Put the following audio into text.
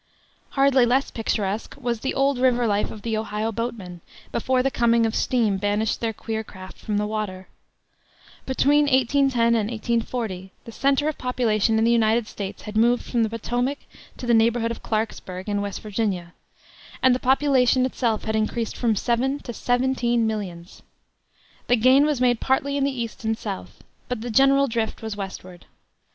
Hardly less picturesque was the old river life of the Ohio boatmen, before the coming of steam banished their queer craft from the water. Between 1810 and 1840 the center of population in the United States had moved from the Potomac to the neighborhood of Clarksburg, in West Virginia, and the population itself had increased from seven to seventeen millions. The gain was made partly in the East and South, but the general drift was westward.